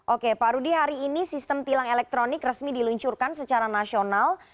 oke pak rudy hari ini sistem tilang elektronik resmi diluncurkan secara nasional